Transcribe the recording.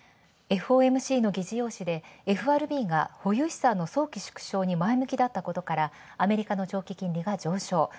ＦＯＭＣの議事要旨でＦＲＢが保有資産の縮小に前向きだったことからアメリカの長期金利が上昇。